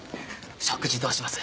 食事どうします？